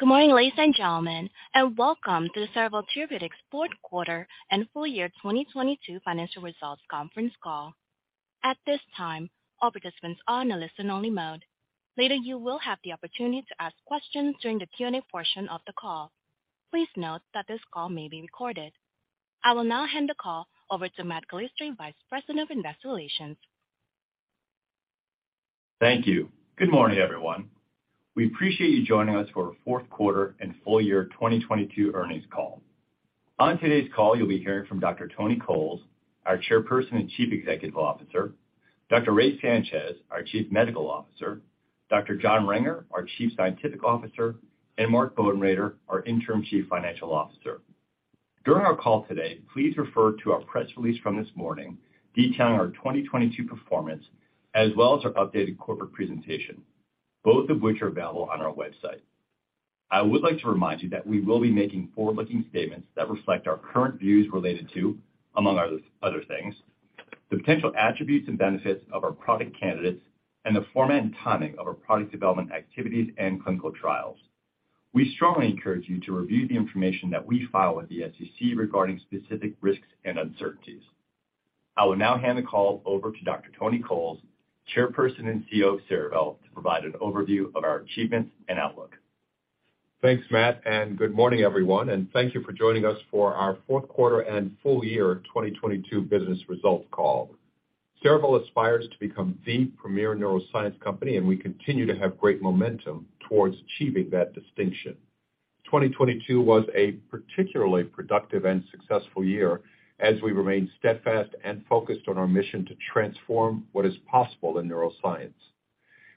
Good morning, ladies and gentlemen, welcome to the Cerevel Therapeutics Q4 and full year 2022 financial results conference call. At this time, all participants are in a listen only mode. Later you will have the opportunity to ask questions during the Q&A portion of the call. Please note that this call may be recorded. I will now hand the call over to Matthew Calistri, Vice President of Investor Relations. Thank you. Good morning, everyone. We appreciate you joining us for our Q4 and full year 2022 earnings call. On today's call, you'll be hearing from Dr. Tony Coles, our Chairperson and Chief Executive Officer, Dr. Raymond Sanchez, our Chief Medical Officer, Dr. John Renger, our Chief Scientific Officer, and Mark Bodenrader, our Interim Chief Financial Officer. During our call today, please refer to our press release from this morning detailing our 2022 performance as well as our updated corporate presentation, both of which are available on our website. I would like to remind you that we will be making forward-looking statements that reflect our current views related to, among other things, the potential attributes and benefits of our product candidates and the format and timing of our product development activities and clinical trials. We strongly encourage you to review the information that we file with the SEC regarding specific risks and uncertainties. I will now hand the call over to Dr. Tony Coles, Chairperson and CEO of Cerevel, to provide an overview of our achievements and outlook. thanks, matt. good morning, everyone, and thank you for joining us for our Q4 and full-year 2022 business results call. cerevel aspires to become the premier neuroscience company, and we continue to have great momentum toward achieving that distinction. 2022 was a particularly productive and successful year, as we remain steadfast and focused on our mission to transform what is possible in neuroscience.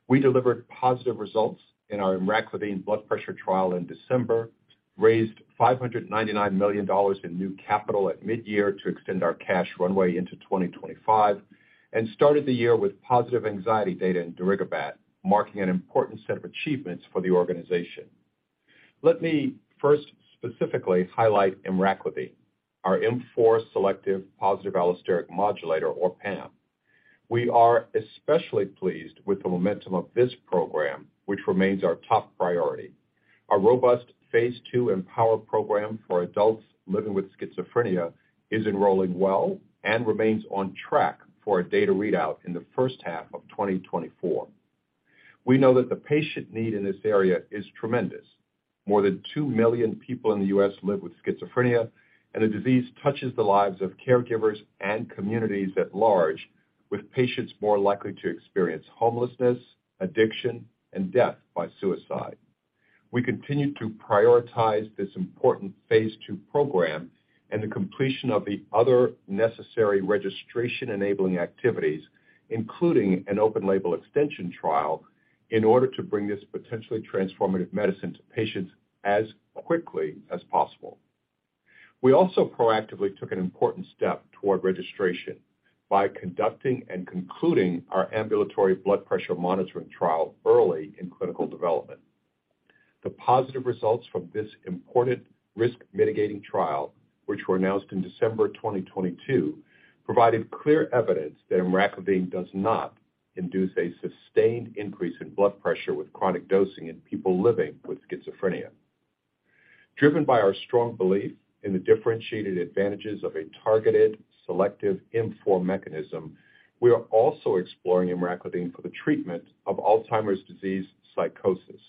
We delivered positive results in our emraclidine blood pressure trial in December, raised $599 million in new capital at mid-year to extend our cash runway into 2025, started the year with positive anxiety data in darigabat, marking an important set of achievements for the organization. Let me first specifically highlight emraclidine, our M4 selective positive allosteric modulator, or PAM. We are especially pleased with the momentum of this program, which remains our top priority. Our robust Phase 2 EMPOWER program for adults living with schizophrenia is enrolling well and remains on track for a data readout in the first half of 2024. We know that the patient need in this area is tremendous. More than 2 million people in the U.S. live with schizophrenia, and the disease touches the lives of caregivers and communities at large, with patients more likely to experience homelessness, addiction, and death by suicide. We continue to prioritize this important phase 2 program and the completion of the other necessary registration enabling activities, including an open-label extension trial, in order to bring this potentially transformative medicine to patients as quickly as possible. We also proactively took an important step toward registration by conducting and concluding our ambulatory blood pressure monitoring trial early in clinical development. The positive results from this important risk mitigating trial, which were announced in December 2022, provided clear evidence that emraclidine does not induce a sustained increase in blood pressure with chronic dosing in people living with schizophrenia. Driven by our strong belief in the differentiated advantages of a targeted selective M4 mechanism, we are also exploring emraclidine for the treatment of Alzheimer's disease psychosis,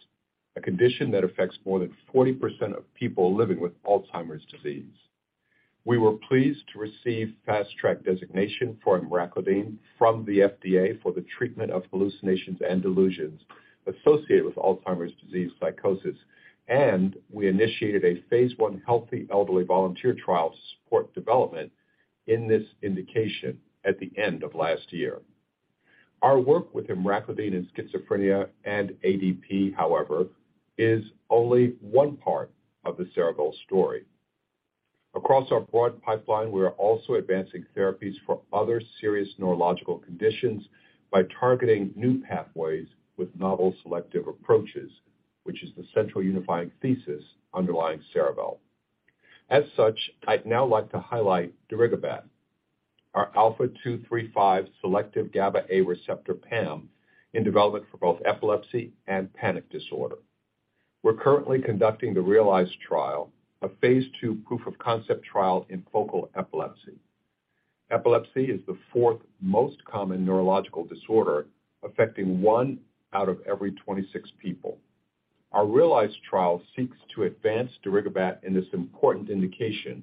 a condition that affects more than 40% of people living with Alzheimer's disease. We were pleased to receive Fast Track designation for emraclidine from the FDA for the treatment of hallucinations and delusions associated with Alzheimer's disease psychosis. We initiated a Phase 1 healthy elderly volunteer trial to support development in this indication at the end of last year. Our work with emraclidine in schizophrenia and ADP, however, is only one part of the Cerevel story. Across our broad pipeline, we are also advancing therapies for other serious neurological conditions by targeting new pathways with novel selective approaches, which is the central unifying thesis underlying Cerevel. As such, I'd now like to highlight darigabat, our α2/3/5-selective GABA-A receptor PAM in development for both epilepsy and panic disorder. We're currently conducting the REALIZE trial, a Phase 2 proof-of-concept trial in focal epilepsy. Epilepsy is the fourth most common neurological disorder, affecting 1 out of every 26 people. Our REALIZE trial seeks to advance darigabat in this important indication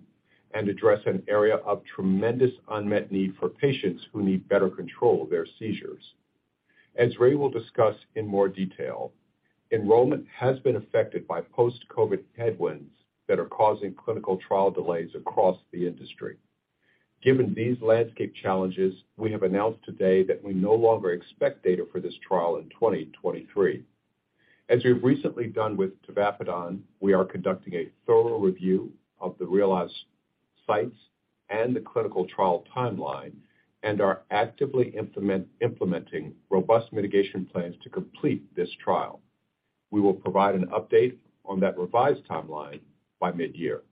and address an area of tremendous unmet need for patients who need better control of their seizures. As Ray will discuss in more detail, enrollment has been affected by post-Covid headwinds that are causing clinical trial delays across the industry. Given these landscape challenges, we have announced today that we no longer expect data for this trial in 2023. As we've recently done with tavapadon, we are conducting a thorough review of the REALIZE sites and the clinical trial timeline and are actively implementing robust mitigation plans to complete this trial. We will provide an update on that revised timeline by mid-year.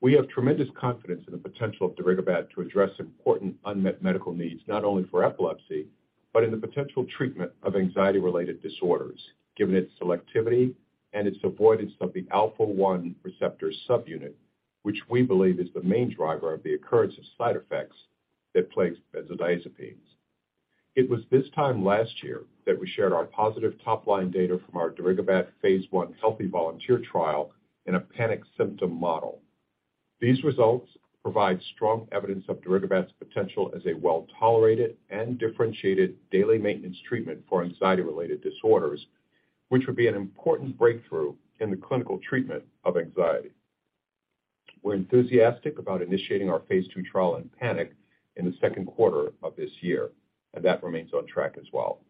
We have tremendous confidence in the potential of darigabat to address important unmet medical needs, not only for epilepsy, but in the potential treatment of anxiety-related disorders, given its selectivity and its avoidance of the alpha-1 receptor subunit, which we believe is the main driver of the occurrence of side effects that plagues benzodiazepines. It was this time last year that we shared our positive top-line data from our darigabat Phase 1 healthy volunteer trial in a panic symptom model. These results provide strong evidence of darigabat's potential as a well-tolerated and differentiated daily maintenance treatment for anxiety-related disorders, which would be an important breakthrough in the clinical treatment of anxiety. We're enthusiastic about initiating our Phase 2 trial in panic in the Q2 of this year. That remains on track as well.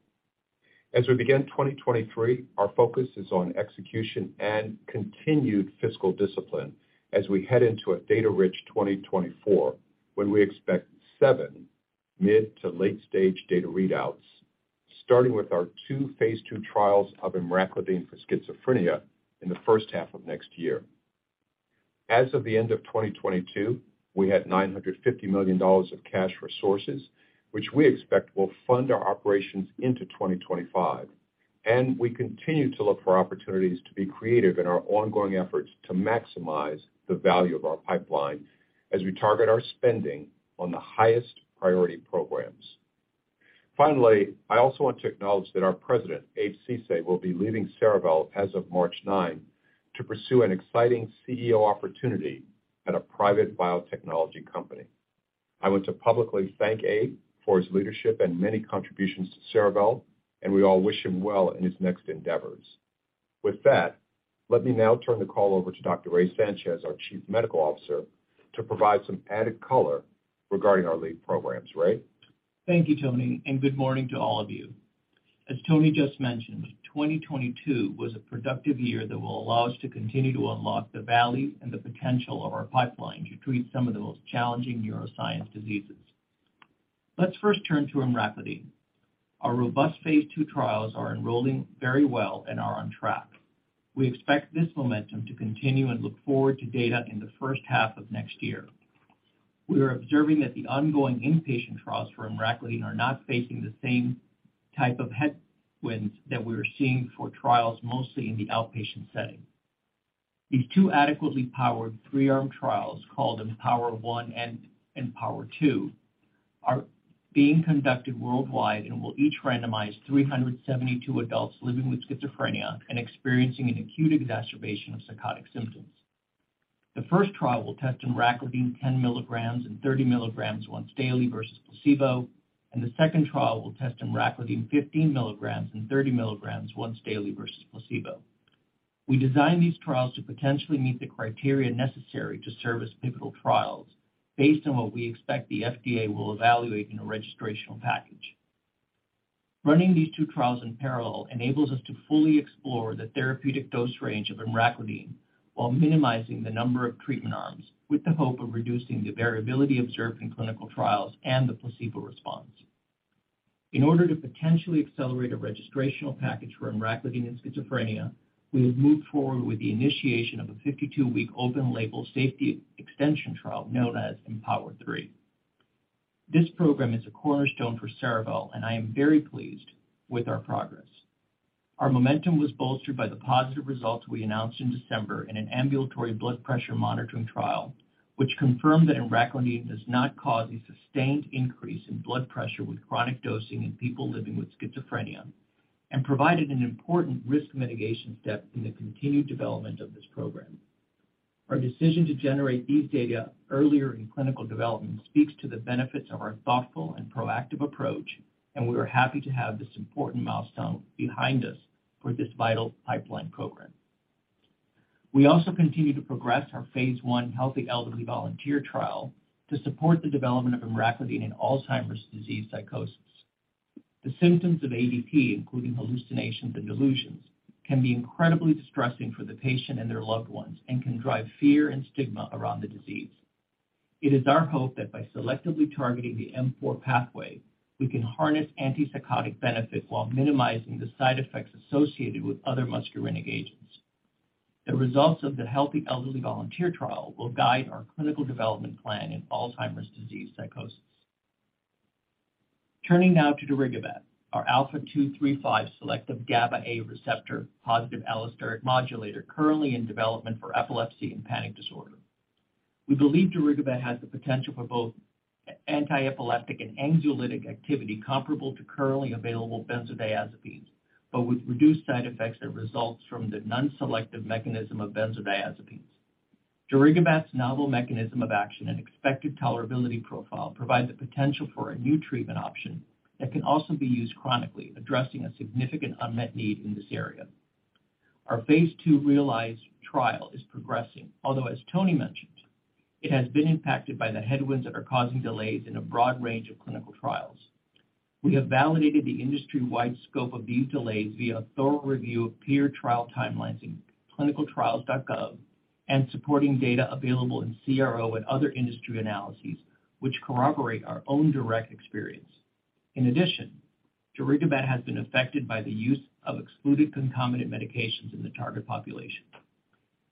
As we begin 2023, our focus is on execution and continued fiscal discipline as we head into a data-rich 2024, when we expect seven mid to late-stage data readouts, starting with our two Phase 2 trials of emraclidine for schizophrenia in the first half of next year. As of the end of 2022, we had $950 million of cash resources, which we expect will fund our operations into 2025, and we continue to look for opportunities to be creative in our ongoing efforts to maximize the value of our pipeline as we target our spending on the highest priority programs. Finally, I also want to acknowledge that our President, Abraham Ceesay, will be leaving Cerevel as of March 9 to pursue an exciting CEO opportunity at a private biotechnology company. I want to publicly thank Abe for his leadership and many contributions to Cerevel, and we all wish him well in his next endeavors. With that, let me now turn the call over to Dr. Raymond Sanchez, our Chief Medical Officer, to provide some added color regarding our lead programs. Ray? Thank you, Tony. Good morning to all of you. As Tony just mentioned, 2022 was a productive year that will allow us to continue to unlock the value and the potential of our pipeline to treat some of the most challenging neuroscience diseases. Let's first turn to emraclidine. Our robust Phase 2 trials are enrolling very well and are on track. We expect this momentum to continue and look forward to data in the first half of next year. We are observing that the ongoing inpatient trials for emraclidine are not facing the same type of headwinds that we were seeing for trials mostly in the outpatient setting. These 2 adequately powered 3-arm trials, called EMPOWER-1 and EMPOWER-2, are being conducted worldwide and will each randomize 372 adults living with schizophrenia and experiencing an acute exacerbation of psychotic symptoms. The first trial will test emraclidine 10 milligrams and 30 milligrams once daily versus placebo. The second trial will test emraclidine 15 milligrams and 30 milligrams once daily versus placebo. We designed these trials to potentially meet the criteria necessary to serve as pivotal trials based on what we expect the FDA will evaluate in a registrational package. Running these two trials in parallel enables us to fully explore the therapeutic dose range of emraclidine while minimizing the number of treatment arms with the hope of reducing the variability observed in clinical trials and the placebo response. In order to potentially accelerate a registrational package for emraclidine in schizophrenia, we have moved forward with the initiation of a 52-week open-label safety extension trial known as EMPOWER-3. This program is a cornerstone for Cerevel. I am very pleased with our progress. Our momentum was bolstered by the positive results we announced in December in an ambulatory blood pressure monitoring trial, which confirmed that emraclidine does not cause a sustained increase in blood pressure with chronic dosing in people living with schizophrenia and provided an important risk mitigation step in the continued development of this program. Our decision to generate these data earlier in clinical development speaks to the benefits of our thoughtful and proactive approach, and we are happy to have this important milestone behind us for this vital pipeline program. We also continue to progress our Phase 1 healthy elderly volunteer trial to support the development of emraclidine in Alzheimer's disease psychosis. The symptoms of ADP, including hallucinations and delusions, can be incredibly distressing for the patient and their loved ones and can drive fear and stigma around the disease. It is our hope that by selectively targeting the M4 pathway, we can harness antipsychotic benefits while minimizing the side effects associated with other muscarinic agents. The results of the healthy elderly volunteer trial will guide our clinical development plan in Alzheimer's Disease psychosis. Turning now to darigabat, our α2/3/5-selective GABA-A receptor PAM currently in development for epilepsy and panic disorder. We believe darigabat has the potential for both anti-epileptic and anxiolytic activity comparable to currently available benzodiazepines, but with reduced side effects that results from the non-selective mechanism of benzodiazepines. Darigabat's novel mechanism of action and expected tolerability profile provides the potential for a new treatment option that can also be used chronically, addressing a significant unmet need in this area. Our Phase 2 REALIZE trial is progressing, although as Tony mentioned, it has been impacted by the headwinds that are causing delays in a broad range of clinical trials. We have validated the industry-wide scope of these delays via thorough review of peer trial timelines in ClinicalTrials.gov and supporting data available in CRO and other industry analyses which corroborate our own direct experience. In addition, darigabat has been affected by the use of excluded concomitant medications in the target population.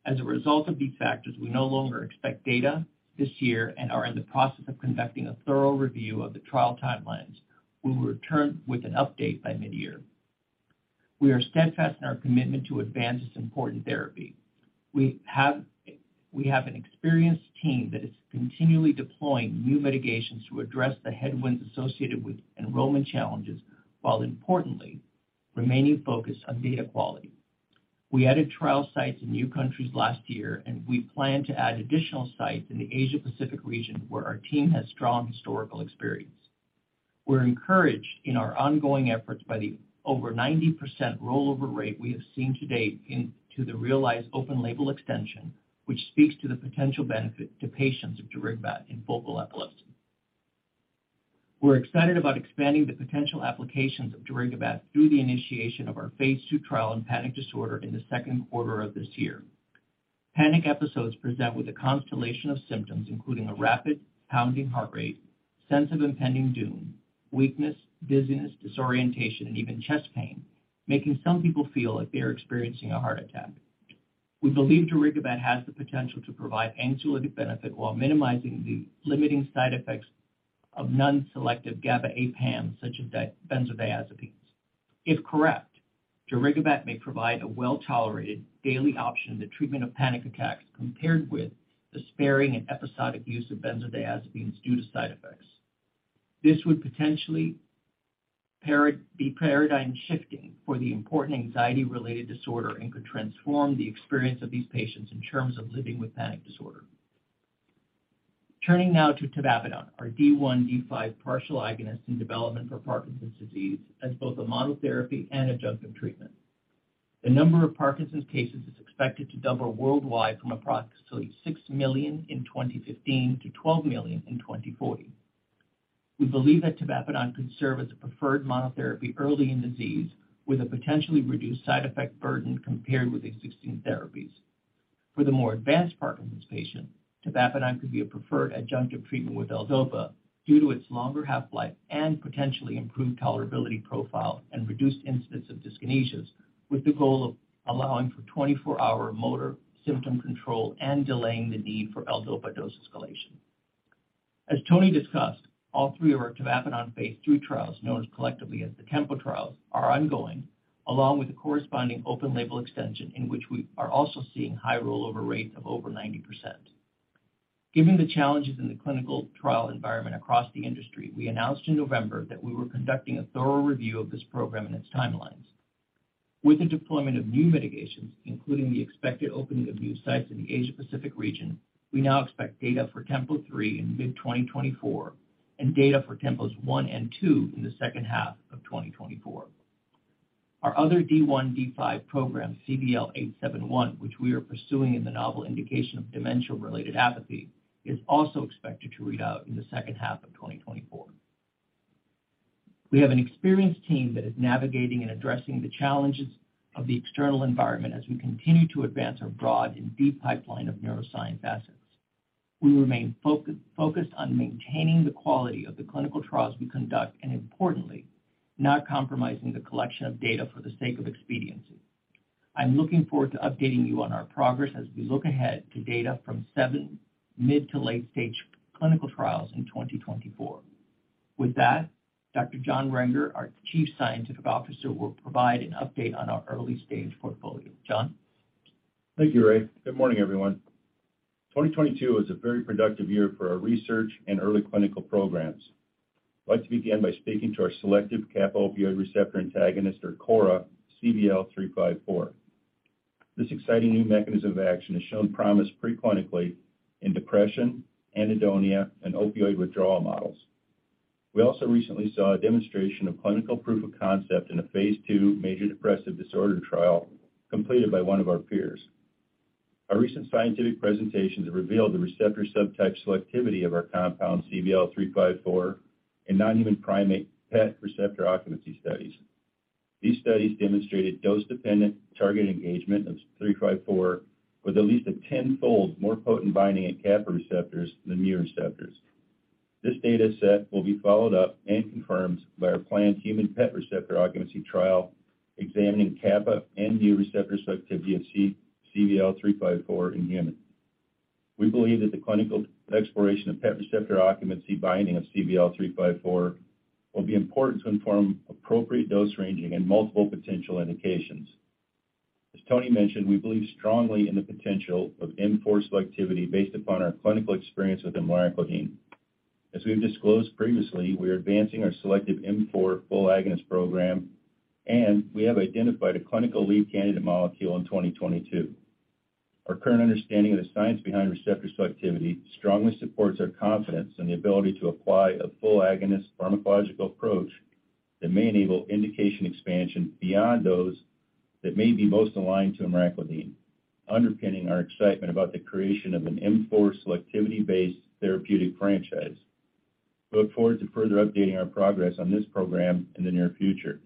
As a result of these factors, we no longer expect data this year and are in the process of conducting a thorough review of the trial timelines. We will return with an update by mid-year. We are steadfast in our commitment to advance this important therapy. We have an experienced team that is continually deploying new mitigations to address the headwinds associated with enrollment challenges, while importantly, remaining focused on data quality. We added trial sites in new countries last year, and we plan to add additional sites in the Asia Pacific region, where our team has strong historical experience. We're encouraged in our ongoing efforts by the over 90% rollover rate we have seen to date to the REALIZE open-label extension, which speaks to the potential benefit to patients of darigabat in focal epilepsy. We're excited about expanding the potential applications of darigabat through the initiation of our Phase 2 trial in panic disorder in the Q2 of this year. Panic episodes present with a constellation of symptoms, including a rapid pounding heart rate, sense of impending doom, weakness, dizziness, disorientation, and even chest pain, making some people feel like they are experiencing a heart attack. We believe darigabat has the potential to provide anxiolytic benefit while minimizing the limiting side effects of non-selective GABAA PAM, such as benzodiazepines. If correct, darigabat may provide a well-tolerated daily option in the treatment of panic attacks compared with the sparing and episodic use of benzodiazepines due to side effects. This would potentially be paradigm shifting for the important anxiety-related disorder and could transform the experience of these patients in terms of living with panic disorder. Turning now to tavapadon, our D1/D5 partial agonist in development for Parkinson's disease as both a monotherapy and adjunctive treatment. The number of Parkinson's cases is expected to double worldwide from approximately 6 million in 2015 to 12 million in 2040. We believe that tavapadon could serve as a preferred monotherapy early in disease with a potentially reduced side effect burden compared with existing therapies. For the more advanced Parkinson's patient, tavapadon could be a preferred adjunctive treatment with L-DOPA due to its longer half-life and potentially improved tolerability profile and reduced incidence of dyskinesias, with the goal of allowing for 24-hour motor symptom control and delaying the need for L-DOPA dose escalation. As Tony discussed, all three of our tavapadon Phase 3 trials, known as collectively as the TEMPO trials, are ongoing, along with the corresponding open label extension, in which we are also seeing high rollover rates of over 90%. Given the challenges in the clinical trial environment across the industry, we announced in November that we were conducting a thorough review of this program and its timelines. With the deployment of new mitigations, including the expected opening of new sites in the Asia Pacific region, we now expect data for TEMPO-3 in mid-2024 and data for TEMPO-1 and -2 in the second half of 2024. Our other D1/D5 program, CVL-871, which we are pursuing in the novel indication of dementia-related apathy, is also expected to read out in the second half of 2024. We have an experienced team that is navigating and addressing the challenges of the external environment as we continue to advance our broad and deep pipeline of neuroscience assets. We remain focused on maintaining the quality of the clinical trials we conduct, and importantly, not compromising the collection of data for the sake of expediency. I'm looking forward to updating you on our progress as we look ahead to data from seven mid to late-stage clinical trials in 2024. With that, Dr. John Renger, our Chief Scientific Officer, will provide an update on our early-stage portfolio. John? Thank you, Ray. Good morning, everyone. 2022 was a very productive year for our research and early clinical programs. I'd like to begin by speaking to our selective kappa-opioid receptor antagonist or KORA, CVL-354. This exciting new mechanism of action has shown promise pre-clinically in depression, anhedonia, and opioid withdrawal models. We also recently saw a demonstration of clinical proof of concept in a Phase 2 major depressive disorder trial completed by one of our peers. Our recent scientific presentations revealed the receptor subtype selectivity of our compound CVL-354 in non-human primate PET receptor occupancy studies. These studies demonstrated dose-dependent target engagement of 354 with at least a 10-fold more potent binding at kappa receptors than mu receptors. This data set will be followed up and confirmed by our planned human PET receptor occupancy trial examining kappa and mu receptor selectivity of CVL-354 in humans. We believe that the clinical exploration of PET receptor occupancy binding of CVL-354 will be important to inform appropriate dose ranging in multiple potential indications. As Tony mentioned, we believe strongly in the potential of M4 selectivity based upon our clinical experience with emraclidine. As we've disclosed previously, we are advancing our selective M4 full agonist program, and we have identified a clinical lead candidate molecule in 2022. Our current understanding of the science behind receptor selectivity strongly supports our confidence in the ability to apply a full agonist pharmacological approach that may enable indication expansion beyond those that may be most aligned to Amodiaquine, underpinning our excitement about the creation of an M4 selectivity-based therapeutic franchise. We look forward to further updating our progress on this program in the near future.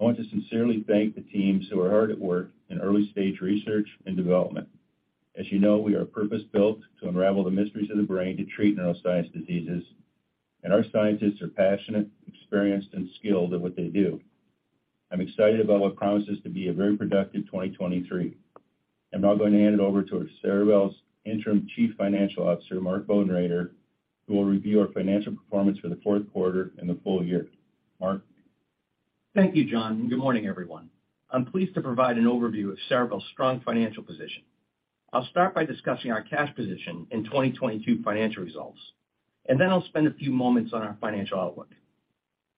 I want to sincerely thank the teams who are hard at work in early-stage research and development. As you know, we are purpose-built to unravel the mysteries of the brain to treat neuroscience diseases, and our scientists are passionate, experienced, and skilled at what they do. I'm excited about what promises to be a very productive 2023. I'm now going to hand it over to Cerevel's Interim Chief Financial Officer, Mark Bodenrader, who will review our financial performance for the Q4 and the full year. Mark? Thank you, John. Good morning, everyone. I'm pleased to provide an overview of Cerevel's strong financial position. I'll start by discussing our cash position in 2022 financial results. I'll spend a few moments on our financial outlook.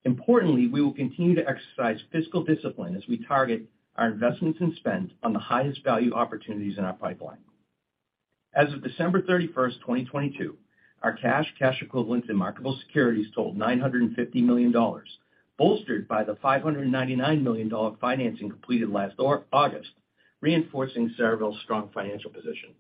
Importantly, we will continue to exercise fiscal discipline as we target our investments and spend on the highest value opportunities in our pipeline. As of December 31st, 2022, our cash equivalents, and marketable securities totaled $950 million, bolstered by the $599 million financing completed last August, reinforcing Cerevel's strong financial position.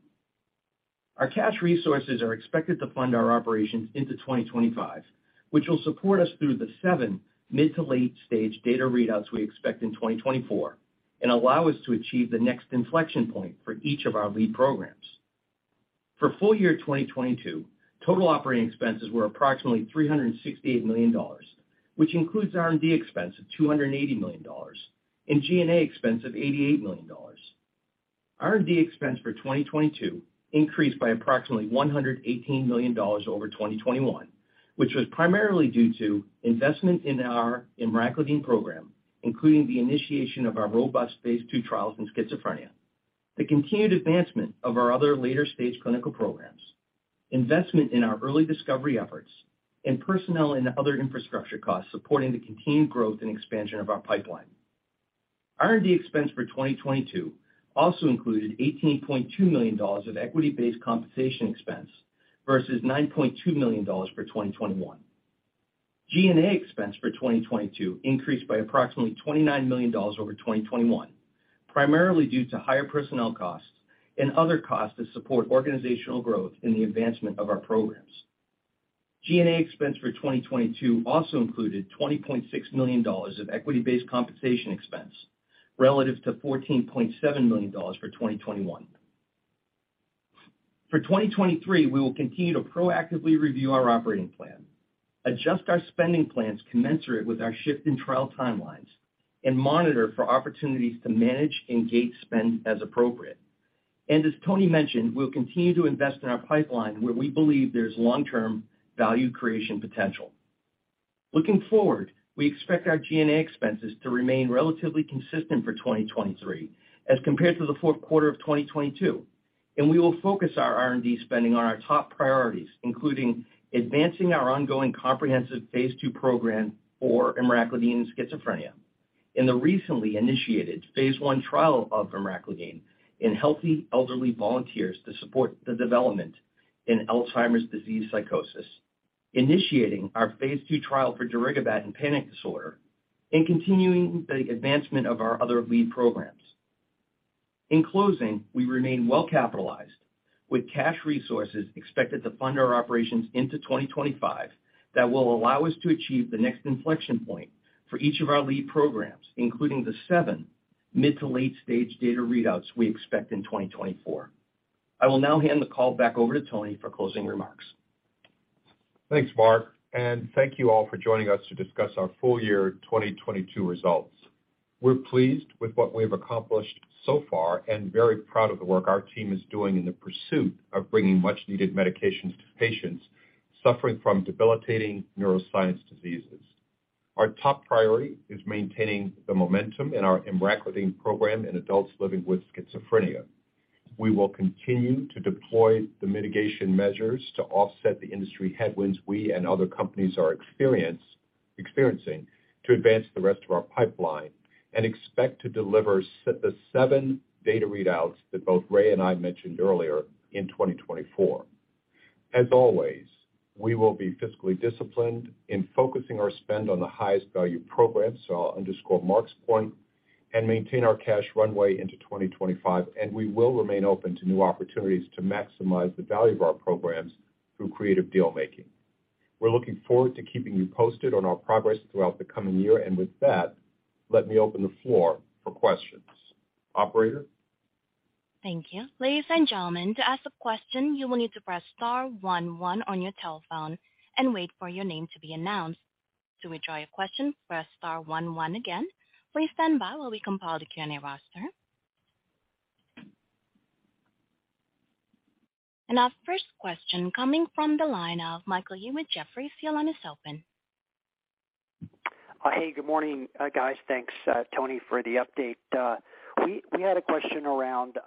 Our cash resources are expected to fund our operations into 2025, which will support us through the seven mid to late-stage data readouts we expect in 2024 and allow us to achieve the next inflection point for each of our lead programs. For full year 2022, total operating expenses were approximately $368 million, which includes R&D expense of $280 million and G&A expense of $88 million. R&D expense for 2022 increased by approximately $118 million over 2021, which was primarily due to investment in our emraclidine program, including the initiation of our robust Phase 2 trials in schizophrenia, the continued advancement of our other later stage clinical programs, investment in our early discovery efforts, and personnel and other infrastructure costs supporting the continued growth and expansion of our pipeline. R&D expense for 2022 also included $18.2 million of equity-based compensation expense versus $9.2 million for 2021. G&A expense for 2022 increased by approximately $29 million over 2021, primarily due to higher personnel costs and other costs to support organizational growth in the advancement of our programs. G&A expense for 2022 also included $20.6 million of equity-based compensation expense relative to $14.7 million for 2021. For 2023, we will continue to proactively review our operating plan, adjust our spending plans commensurate with our shift in trial timelines, and monitor for opportunities to manage and gate spend as appropriate. As Tony mentioned, we'll continue to invest in our pipeline where we believe there's long-term value creation potential. Looking forward, we expect our G&A expenses to remain relatively consistent for 2023 as compared to the Q4 of 2022, and we will focus our R&D spending on our top priorities, including advancing our ongoing comprehensive Phase 2 program for emraclidine schizophrenia and the recently initiated Phase 1 trial of emraclidine in healthy elderly volunteers to support the development in Alzheimer's disease psychosis, initiating our Phase 2 trial for darigabat in panic disorder, and continuing the advancement of our other lead programs. In closing, we remain well capitalized with cash resources expected to fund our operations into 2025 that will allow us to achieve the next inflection point for each of our lead programs, including the 7 mid to late-stage data readouts we expect in 2024. I will now hand the call back over to Tony for closing remarks. Thanks, Mark. Thank you all for joining us to discuss our full year 2022 results. We're pleased with what we have accomplished so far and very proud of the work our team is doing in the pursuit of bringing much needed medications to patients suffering from debilitating neuroscience diseases. Our top priority is maintaining the momentum in our emraclidine program in adults living with schizophrenia. We will continue to deploy the mitigation measures to offset the industry headwinds we and other companies are experiencing to advance the rest of our pipeline and expect to deliver the 7 data readouts that both Ray and I mentioned earlier in 2024. As always, we will be fiscally disciplined in focusing our spend on the highest value programs, so I'll underscore Mark's point, and maintain our cash runway into 2025, and we will remain open to new opportunities to maximize the value of our programs through creative deal making. We're looking forward to keeping you posted on our progress throughout the coming year. With that, let me open the floor for questions. Operator? Our first question comes from the line of Michael Yee with Jefferies. Your line is open. Hey, good morning, guys. Thanks, Tony, for the update. We had a question around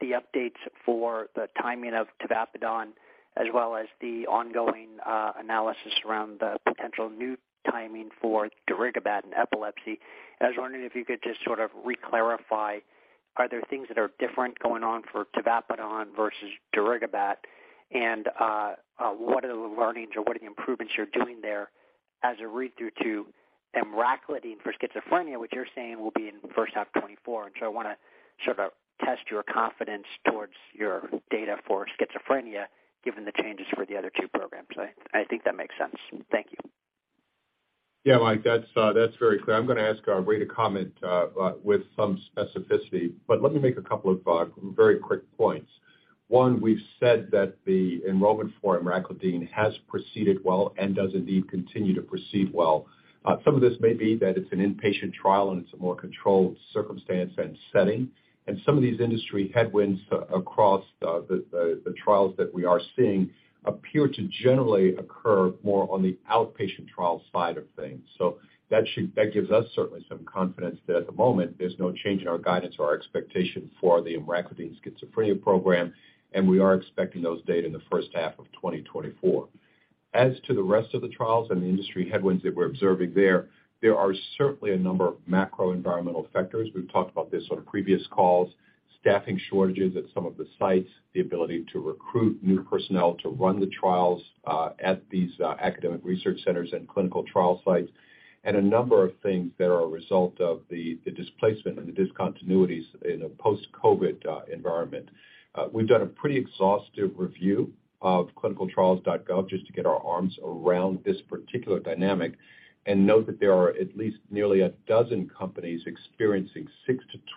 the updates for the timing of tavapadon as well as the ongoing analysis around the potential new timing for darigabat in epilepsy. I was wondering if you could just sort of re-clarify, are there things that are different going on for tavapadon versus darigabat? What are the learnings or what are the improvements you're doing there as a read-through to emraclidine for schizophrenia, which you're saying will be in first half 2024. I wanna sort of test your confidence towards your data for schizophrenia given the changes for the other two programs. I think that makes sense. Thank you. Yeah, Mike, that's very clear. I'm gonna ask Ray to comment with some specificity, but let me make a couple of very quick points. One, we've said that the enrollment for emraclidine has proceeded well and does indeed continue to proceed well. Some of this may be that it's an inpatient trial, and it's a more controlled circumstance and setting. Some of these industry headwinds across the trials that we are seeing appear to generally occur more on the outpatient trial side of things. That gives us certainly some confidence that at the moment there's no change in our guidance or our expectation for the emraclidine schizophrenia program, and we are expecting those data in the first half of 2024. As to the rest of the trials and the industry headwinds that we're observing there are certainly a number of macro environmental factors. We've talked about this on previous calls, staffing shortages at some of the sites, the ability to recruit new personnel to run the trials at these academic research centers and clinical trial sites, and a number of things that are a result of the displacement and the discontinuities in a post-COVID environment. We've done a pretty exhaustive review of ClinicalTrials.gov just to get our arms around this particular dynamic and note that there are at least nearly a dozen companies experiencing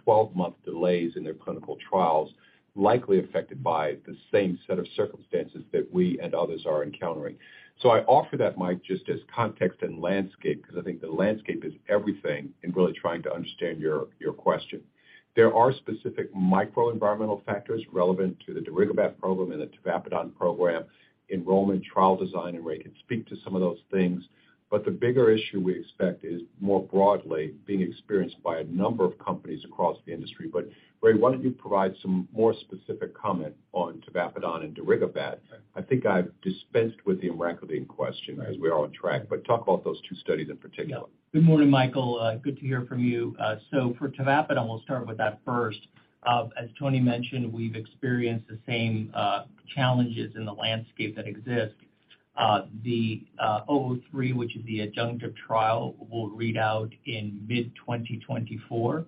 6-12 month delays in their clinical trials, likely affected by the same set of circumstances that we and others are encountering. I offer that, Michael Yee, just as context and landscape 'cause I think the landscape is everything in really trying to understand your question. There are specific micro environmental factors relevant to the darigabat program and the tavapadon program, enrollment, trial design, and Raymond Sanchez can speak to some of those things. The bigger issue we expect is more broadly being experienced by a number of companies across the industry. Raymond Sanchez, why don't you provide some more specific comment on tavapadon and darigabat? I think I've dispensed with the emraclidine question as we are on track, but talk about those two studies in particular. Yeah. Good morning, Michael. Good to hear from you. For tavapadon, we'll start with that first. As Tony mentioned, we've experienced the same challenges in the landscape that exist. the TEMPO-3, which is the adjunctive trial, will read out in mid-2024,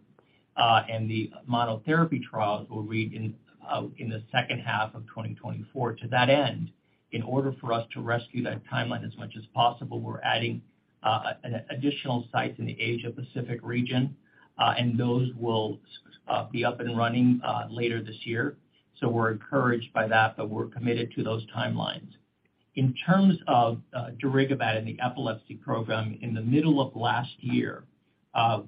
and the monotherapy trials will read in the second half of 2024. To that end, in order for us to rescue that timeline as much as possible, we're adding an additional site in the Asia Pacific region, and those will be up and running later this year. We're encouraged by that, but we're committed to those timelines. In terms of darigabat and the epilepsy program, in the middle of last year,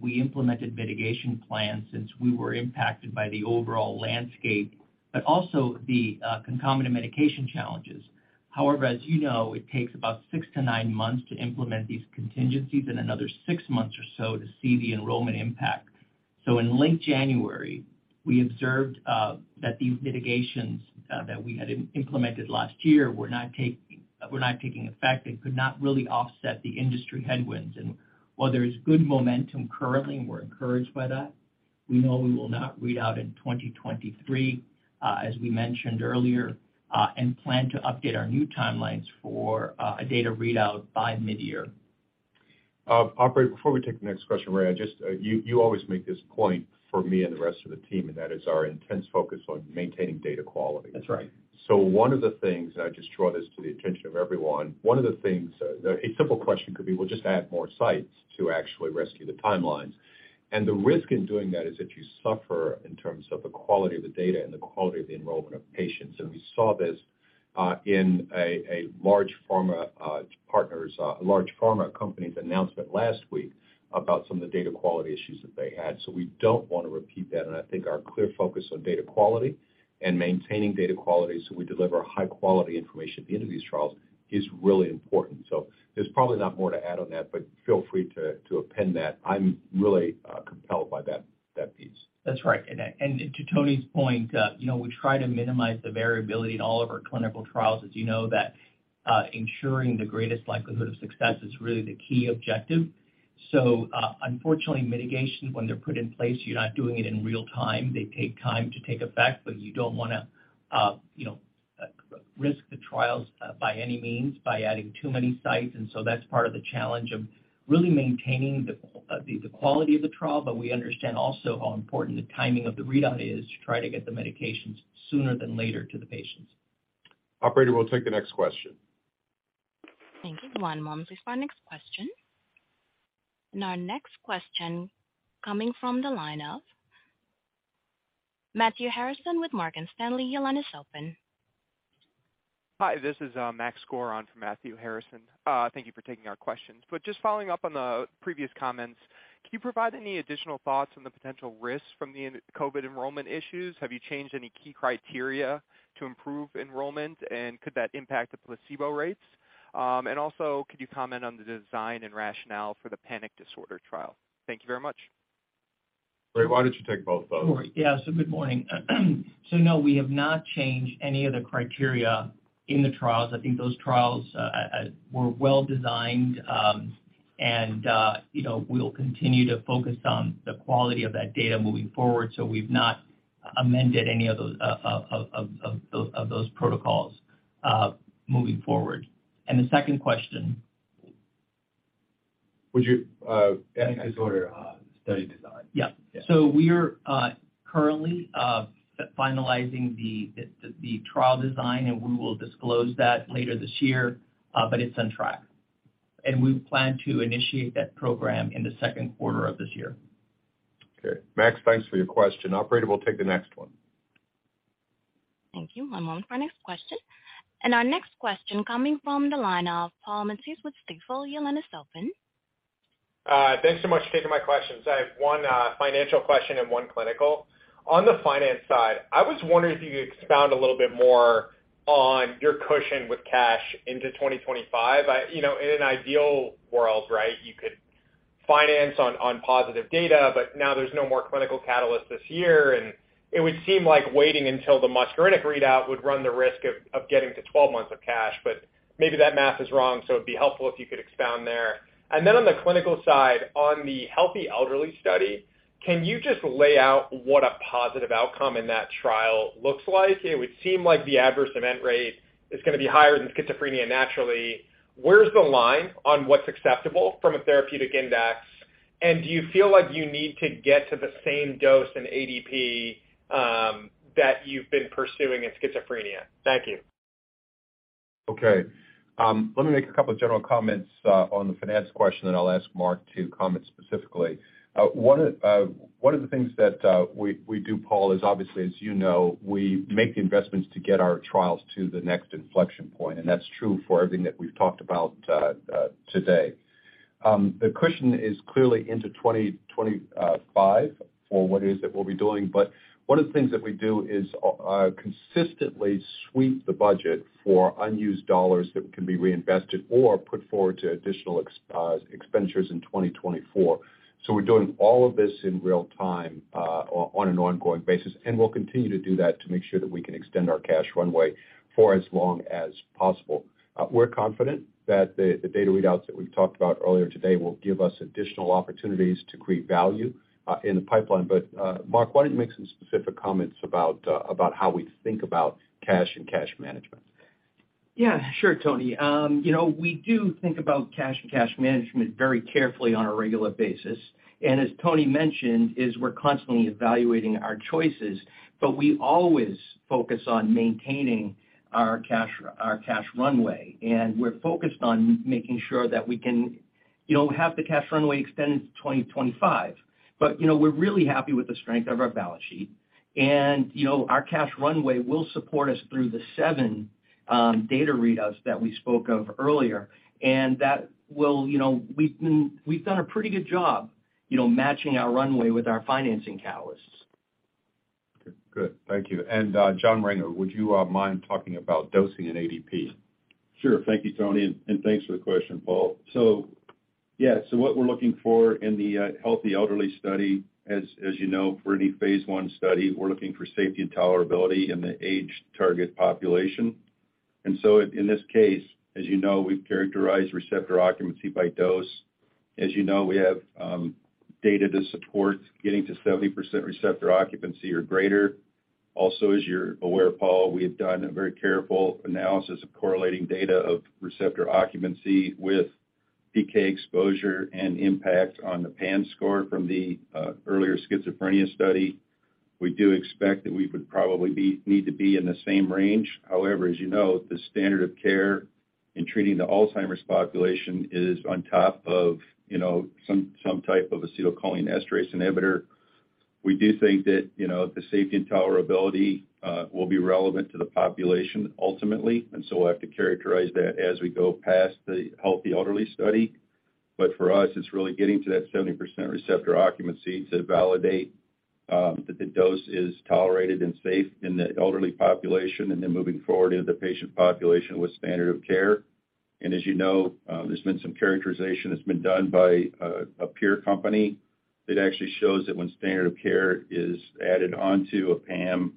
we implemented mitigation plans since we were impacted by the overall landscape, but also the concomitant medication challenges. As you know, it takes about 6 to 9 months to implement these contingencies and another 6 months or so to see the enrollment impact. In late January, we observed that these mitigations that we had implemented last year were not taking effect and could not really offset the industry headwinds. While there is good momentum currently, and we're encouraged by that, we know we will not read out in 2023, as we mentioned earlier, and plan to update our new timelines for a data readout by mid-year. Operator, before we take the next question, Ray, I just, you always make this point for me and the rest of the team, and that is our intense focus on maintaining data quality. That's right. One of the things, and I just draw this to the attention of everyone, one of the things, A simple question could be, well, just add more sites to actually rescue the timelines. The risk in doing that is that you suffer in terms of the quality of the data and the quality of the enrollment of patients. We saw this in a large pharma partner's a large pharma company's announcement last week about some of the data quality issues that they had. We don't want to repeat that. I think our clear focus on data quality and maintaining data quality so we deliver high-quality information into these trials is really important. There's probably not more to add on that, but feel free to append that. I'm really compelled by that piece. That's right. To Tony's point, you know, we try to minimize the variability in all of our clinical trials as you know that, ensuring the greatest likelihood of success is really the key objective. Unfortunately, mitigations, when they're put in place, you're not doing it in real time. They take time to take effect, but you don't wanna, you know, risk the trials by any means by adding too many sites. That's part of the challenge of really maintaining the quality of the trial. We understand also how important the timing of the readout is to try to get the medications sooner than later to the patients. Operator, we'll take the next question. Our next question comes from the line of Matthew Harrison with Morgan Stanley. Your line is open. Hi, this is Max Skor for Matthew Harrison. Thank you for taking our questions. Just following up on the previous comments, can you provide any additional thoughts on the potential risks from the in- COVID enrollment issues? Have you changed any key criteria to improve enrollment, and could that impact the placebo rates? Also, could you comment on the design and rationale for the panic disorder trial? Thank you very much. Ray, why don't you take both of those? Sure. Yeah. Good morning. No, we have not changed any of the criteria in the trials. I think those trials were well designed. You know, we'll continue to focus on the quality of that data moving forward. We've not amended any of those protocols moving forward. The second question? Would you, Yeah. Panic disorder, study design. Yeah. Yeah. We are currently finalizing the trial design, and we will disclose that later this year, but it's on track. We plan to initiate that program in the Q2 of this year. Okay, Max, thanks for your question. Operator, we'll take the next one. Our next question comes from the line of Paul Matteis with Stifel. Your line is open. Thanks so much for taking my questions. I have one financial question and one clinical. On the finance side, I was wondering if you could expound a little bit more on your cushion with cash into 2025. You know, in an ideal world, right, you could finance on positive data, but now there's no more clinical catalyst this year, and it would seem like waiting until the muscarinic readout would run the risk of getting to 12 months of cash. Maybe that math is wrong, so it'd be helpful if you could expound there. Then on the clinical side, on the healthy elderly study, can you just lay out what a positive outcome in that trial looks like? It would seem like the adverse event rate is gonna be higher than schizophrenia naturally. Where's the line on what's acceptable from a therapeutic index, and do you feel like you need to get to the same dose in ADP, that you've been pursuing in schizophrenia? Thank you. Okay. Let me make a couple general comments on the finance question, and I'll ask Mark to comment specifically. One of the things that we do, Paul, is obviously, as you know, we make the investments to get our trials to the next inflection point, and that's true for everything that we've talked about today. The cushion is clearly into 2025 for what it is that we'll be doing. One of the things that we do is consistently sweep the budget for unused dollars that can be reinvested or put forward to additional expenditures in 2024. We're doing all of this in real time on an ongoing basis, and we'll continue to do that to make sure that we can extend our cash runway for as long as possible. We're confident that the data readouts that we've talked about earlier today will give us additional opportunities to create value in the pipeline. Mark, why don't you make some specific comments about how we think about cash and cash management? Yeah, sure, Tony. We do think about cash and cash management very carefully on a regular basis. As Tony mentioned, as we're constantly evaluating our choices, but we always focus on maintaining our cash runway. We're focused on making sure that we can, you know, have the cash runway extended to 2025. you know, we're really happy with the strength of our balance sheet. you know, our cash runway will support us through the seven data readouts that we spoke of earlier. That will, you know, we've done a pretty good job, you know, matching our runway with our financing catalysts. Okay. Good. Thank you. And, John Renger, would you mind talking about dosing in ADP? Sure. Thank you, Tony, and thanks for the question, Paul. What we're looking for in the healthy elderly study, as you know, for any Phase 1 study, we're looking for safety and tolerability in the aged target population. In this case, as you know, we've characterized receptor occupancy by dose. As you know, we have data to support getting to 70% receptor occupancy or greater. As you're aware, Paul, we have done a very careful analysis of correlating data of receptor occupancy with PK exposure and impact on the PANSS score from the earlier schizophrenia study. We do expect that we would probably need to be in the same range. As you know, the standard of care in treating the Alzheimer's population is on top of, you know, some type of acetylcholinesterase inhibitor. We do think that, you know, the safety and tolerability will be relevant to the population ultimately, and so we'll have to characterize that as we go past the healthy elderly study. For us, it's really getting to that 70% receptor occupancy to validate that the dose is tolerated and safe in the elderly population, and then moving forward into the patient population with standard of care. As you know, there's been some characterization that's been done by a peer company that actually shows that when standard of care is added onto a PAM,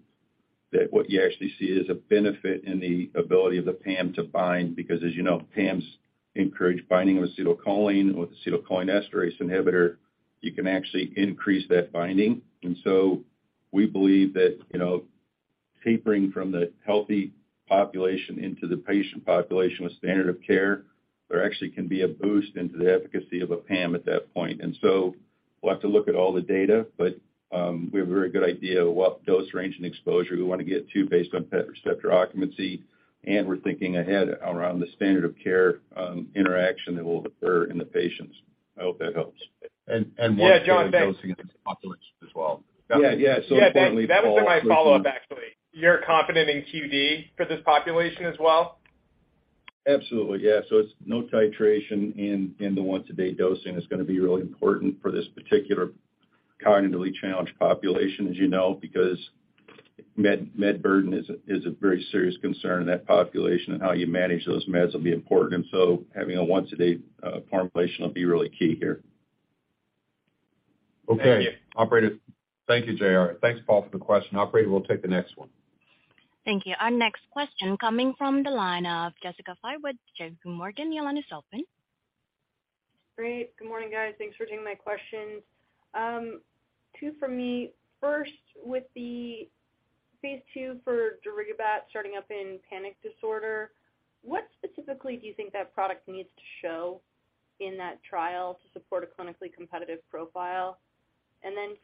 that what you actually see is a benefit in the ability of the PAM to bind. Because as you know, PAMs encourage binding of acetylcholine. With acetylcholinesterase inhibitor, you can actually increase that binding. We believe that, you know, tapering from the healthy population into the patient population with standard of care, there actually can be a boost into the efficacy of a PAM at that point. We'll have to look at all the data, but we have a very good idea of what dose range and exposure we want to get to based on that receptor occupancy, and we're thinking ahead around the standard of care interaction that will occur in the patients. I hope that helps. Once a day dosing in this population as well. Yeah, John, thanks. Yeah, yeah. Importantly, Paul. Yeah, that was in my follow-up actually. You're confident in QD for this population as well? Absolutely, yeah. It's no titration in the once a day dosing is gonna be really important for this particular cognitively challenged population, as you know, because med burden is a very serious concern in that population, and how you manage those meds will be important. Having a once a day formulation will be really key here. Okay. Thank you. Operator Thank you, J.R. Thanks, Paul, for the question. Operator, we'll take the next one. Our next question comes from the line of Jessica Fye with JPMorgan. Your line is open. Great. Good morning, guys. Thanks for taking my questions. Two for me. First, with the Phase 2 for darigabat starting up in panic disorder, what specifically do you think that product needs to show in that trial to support a clinically competitive profile?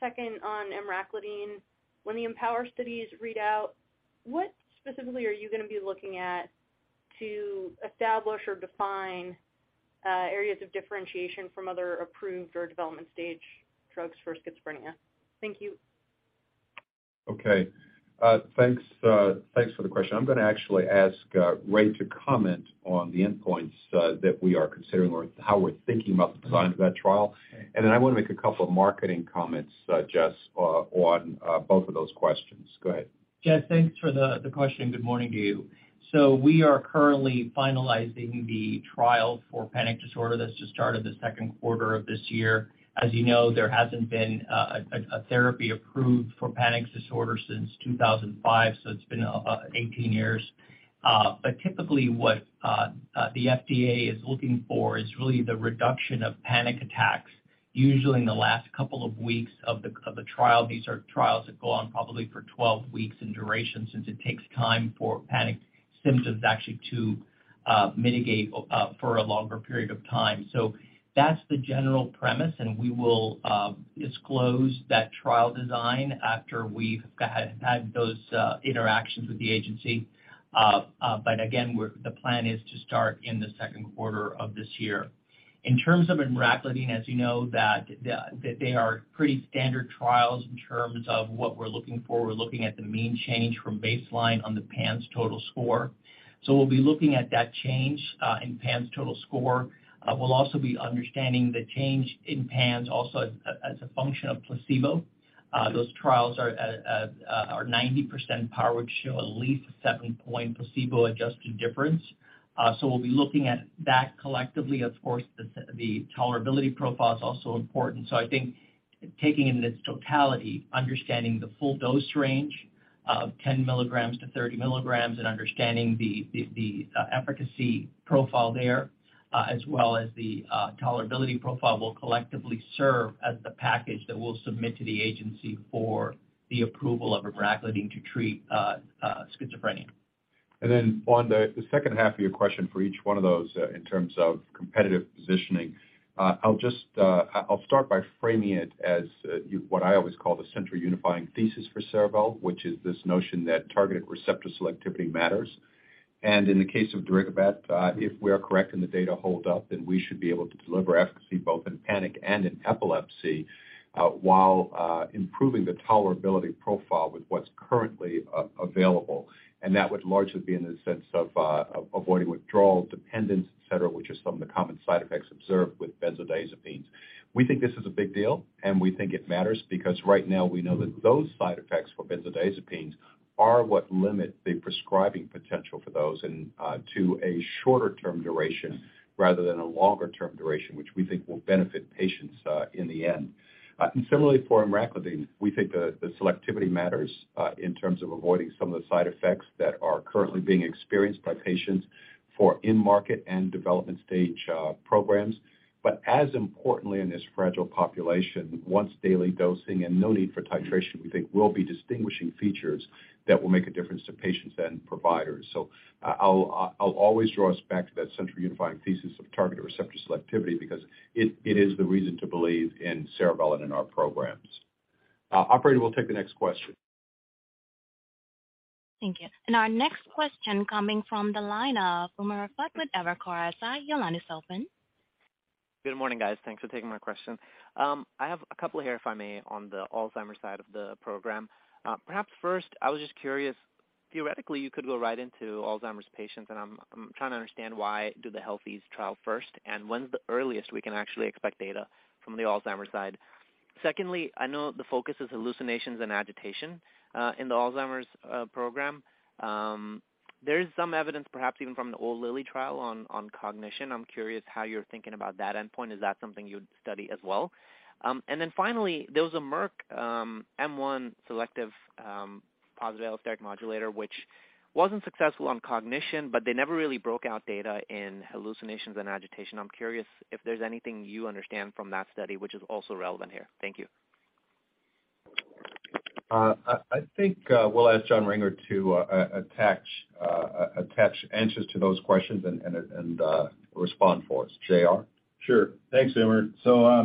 Second, on emraclidine, when the EMPOWER studies read out, what specifically are you gonna be looking at to establish or define... areas of differentiation from other approved or development stage drugs for schizophrenia. Thank you. Okay. Thanks, thanks for the question. I'm gonna actually ask Ray to comment on the endpoints that we are considering or how we're thinking about the design of that trial. I wanna make a couple of marketing comments, Jess, on both of those questions. Go ahead. Jess, thanks for the question. Good morning to you. We are currently finalizing the trial for panic disorder that's just started the Q2 of this year. As you know, there hasn't been a therapy approved for panic disorder since 2005, it's been about 18 years. Typically, what the FDA is looking for is really the reduction of panic attacks, usually in the last couple of weeks of the trial. These are trials that go on probably for 12 weeks in duration since it takes time for panic symptoms actually to mitigate for a longer period of time. That's the general premise, and we will disclose that trial design after we've had those interactions with the agency. Again, the plan is to start in the Q2 of this year. In terms of emraclidine, as you know, that they are pretty standard trials in terms of what we're looking for. We're looking at the mean change from baseline on the PANSS total score. We'll be looking at that change in PANSS total score. We'll also be understanding the change in PANSS also as a function of placebo. Those trials are 90% powered to show at least a 7-point placebo adjusted difference. We'll be looking at that collectively. Of course, the tolerability profile is also important. I think taking in its totality, understanding the full dose range of 10 milligrams to 30 milligrams and understanding the efficacy profile there, as well as the tolerability profile will collectively serve as the package that we'll submit to the agency for the approval of emraclidine to treat schizophrenia. On the second half of your question for each one of those, in terms of competitive positioning, I'll just I'll start by framing it as what I always call the central unifying thesis for Cerevel, which is this notion that targeted receptor selectivity matters. In the case of darigabat, if we are correct and the data hold up, then we should be able to deliver efficacy both in panic and in epilepsy, while improving the tolerability profile with what's currently available. That would largely be in the sense of avoiding withdrawal, dependence, et cetera, which are some of the common side effects observed with benzodiazepines. We think this is a big deal, and we think it matters because right now we know that those side effects for benzodiazepines are what limit the prescribing potential for those and to a shorter term duration rather than a longer term duration, which we think will benefit patients in the end. Similarly for emraclidine, we think the selectivity matters in terms of avoiding some of the side effects that are currently being experienced by patients for in-market and development stage programs. As importantly in this fragile population, once daily dosing and no need for titration, we think will be distinguishing features that will make a difference to patients and providers. I'll always draw us back to that central unifying thesis of targeted receptor selectivity because it is the reason to believe in Cerevel and in our programs. Our next question comes from the line of Umer Raffat with Evercore ISI. Your line is open. Good morning, guys. Thanks for taking my question. I have a couple here, if I may, on the Alzheimer's side of the program. Perhaps first, I was just curious, theoretically, you could go right into Alzheimer's patients, and I'm trying to understand why do the healthy trial first, and when's the earliest we can actually expect data from the Alzheimer's side? Secondly, I know the focus is hallucinations and agitation in the Alzheimer's program. There is some evidence, perhaps even from an old Lilly trial on cognition. I'm curious how you're thinking about that endpoint. Is that something you'd study as well? Then finally, there was a Merck M1 selective positive allosteric modulator, which wasn't successful on cognition, but they never really broke out data in hallucinations and agitation. I'm curious if there's anything you understand from that study which is also relevant here. Thank you. I think, we'll ask John Renger to attach answers to those questions and respond for us. J.R.? Sure. Thanks, Umair. Yeah.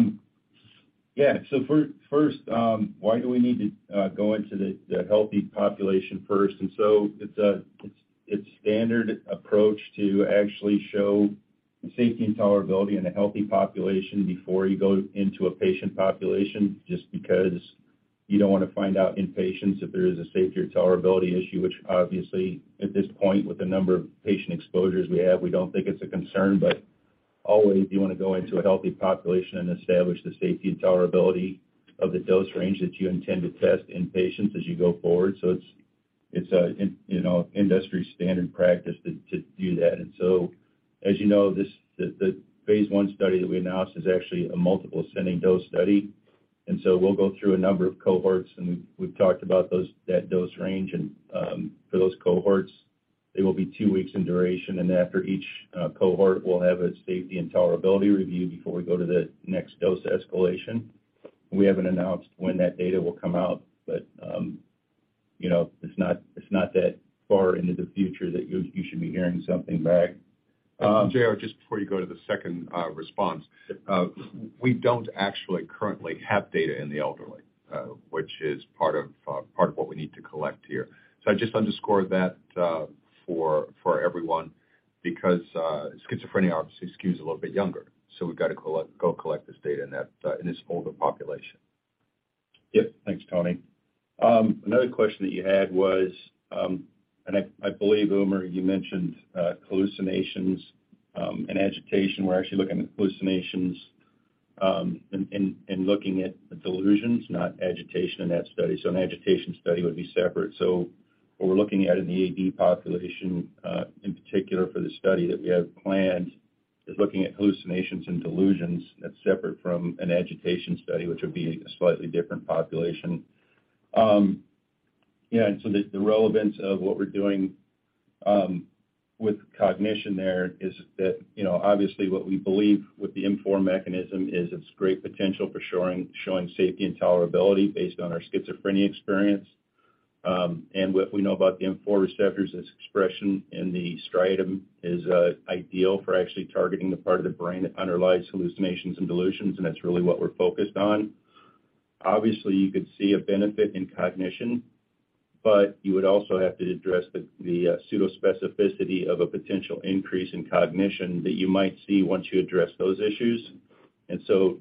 First, why do we need to go into the healthy population first? It's it's standard approach to actually show safety and tolerability in a healthy population before you go into a patient population just because you don't wanna find out in patients if there is a safety or tolerability issue, which obviously at this point, with the number of patient exposures we have, we don't think it's a concern. Always you wanna go into a healthy population and establish the safety and tolerability of the dose range that you intend to test in patients as you go forward. It's an, you know, industry standard practice to do that. As you know, the Phase 1 study that we announced is actually a multiple ascending dose study. We'll go through a number of cohorts, and we've talked about that dose range. For those cohorts, they will be two weeks in duration. After each cohort, we'll have a safety and tolerability review before we go to the next dose escalation. We haven't announced when that data will come out, but, you know, it's not that far into the future that you should be hearing something back. JR, just before you go to the second, response. Sure. We don't actually currently have data in the elderly, which is part of, part of what we need to collect here. I just underscore that, for everyone because, schizophrenia obviously skews a little bit younger, we've got to go collect this data in that, in this older population. Yep. Thanks, Tony. I believe, Umer, you mentioned hallucinations and agitation. We're actually looking at hallucinations and looking at delusions, not agitation in that study. An agitation study would be separate. What we're looking at in the AD population, in particular for the study that we have planned is looking at hallucinations and delusions. That's separate from an agitation study, which would be a slightly different population. Yeah, the relevance of what we're doing with cognition there is that, you know, obviously what we believe with the M4 mechanism is its great potential for showing safety and tolerability based on our schizophrenia experience. What we know about the M4 receptors is expression in the striatum is ideal for actually targeting the part of the brain that underlies hallucinations and delusions, and that's really what we're focused on. Obviously, you could see a benefit in cognition, but you would also have to address the pseudospecificity of a potential increase in cognition that you might see once you address those issues.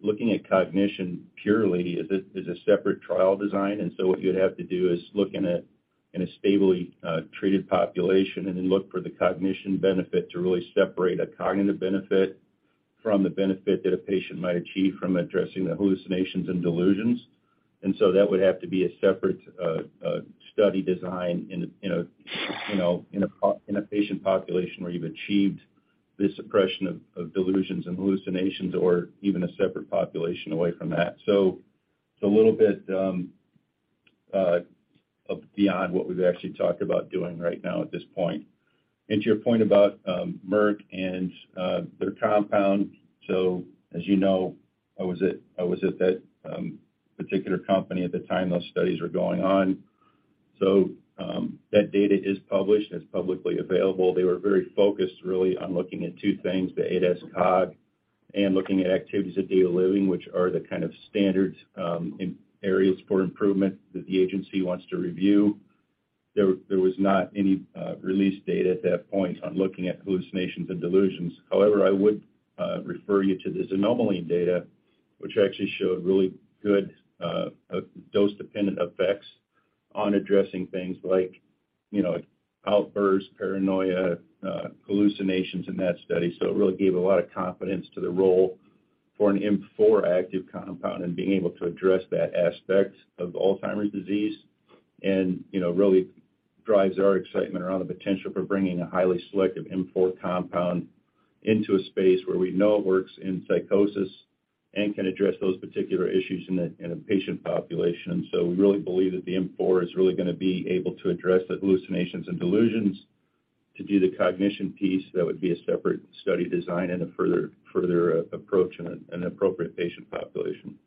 Looking at cognition purely is a, is a separate trial design. What you'd have to do is look in a, in a stably treated population and then look for the cognition benefit to really separate a cognitive benefit from the benefit that a patient might achieve from addressing the hallucinations and delusions. That would have to be a separate study design in a, you know, in a patient population where you've achieved the suppression of delusions and hallucinations or even a separate population away from that. It's a little bit beyond what we've actually talked about doing right now at this point. To your point about Merck and their compound. As you know, I was at that particular company at the time those studies were going on. That data is published and it's publicly available. They were very focused really on looking at two things, the ADAS-Cog, and looking at activities of daily living, which are the kind of standard areas for improvement that the agency wants to review. There was not any released data at that point on looking at hallucinations and delusions. However, I would refer you to the Xanomeline data, which actually showed really good dose-dependent effects on addressing things like, you know, outbursts, paranoia, hallucinations in that study. It really gave a lot of confidence to the role for an M4-active compound and being able to address that aspect of Alzheimer's disease. You know, really drives our excitement around the potential for bringing a highly selective M4 compound into a space where we know it works in psychosis and can address those particular issues in a patient population. We really believe that the M4 is really gonna be able to address the hallucinations and delusions. To do the cognition piece, that would be a separate study design and a further approach in an appropriate patient population.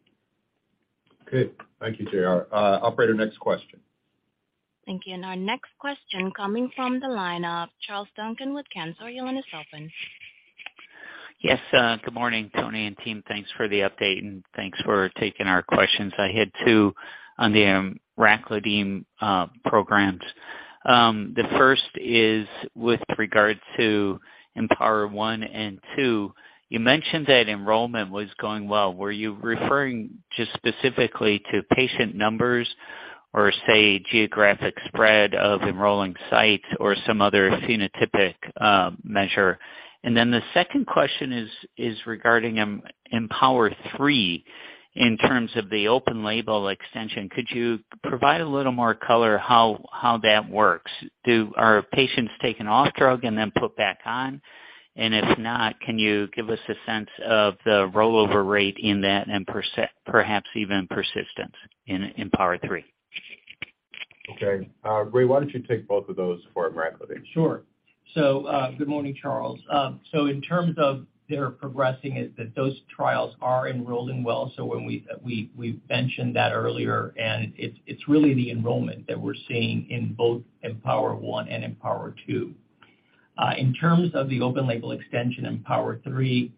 Great. Thank you, JR. Our next question comes from the line of Charles Duncan with Cantor. Your line is open. Yes. Good morning, Tony and team. Thanks for the update, and thanks for taking our questions. I had two on the raclopride programs. The first is with regard to EMPOWER-1 and 2. You mentioned that enrollment was going well. Were you referring just specifically to patient numbers or, say, geographic spread of enrolling sites or some other phenotypic measure? The second question is regarding EMPOWER-3 in terms of the open label extension. Could you provide a little more color how that works? Are patients taken off drug and then put back on? If not, can you give us a sense of the rollover rate in that and perhaps even persistence in EMPOWER-3? Okay. Ray, why don't you take both of those for raclopride? Sure. Good morning, Charles. In terms of their progressing it, those trials are enrolling well. When we mentioned that earlier, we were referring to the enrollment we are seeing in both EMPOWER-1 and EMPOWER-2. In terms of the open label extension in EMPOWER-3,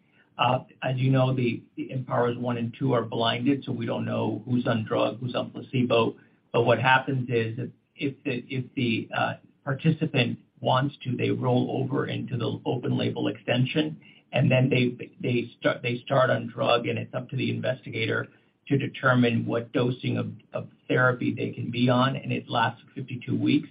as you know, the EMPOWER 1 and 2 are blinded, so we don't know who's on drug, who's on placebo. What happens is if the participant wants to, they roll over into the open label extension, and then they start on drug, and it's up to the investigator to determine what dosing of therapy they can be on, and it lasts 52 weeks.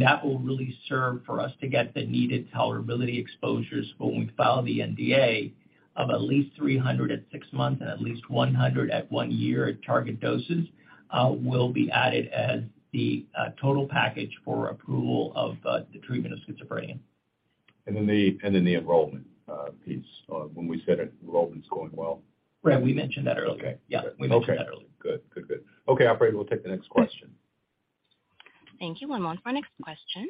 That will really serve for us to get the needed tolerability exposures when we file the NDA of at least 300 at 6 months and at least 100 at 1 year at target doses, will be added as the total package for approval of the treatment of schizophrenia. Then the enrollment, piece, when we said enrollment's going well. Right. We mentioned that earlier. Okay. Yeah. Okay. We mentioned that earlier. Good. Good, good. Okay, operator, we'll take the next question. One moment for next question.